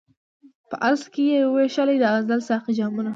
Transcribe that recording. په الست کي یې وېشلي د ازل ساقي جامونه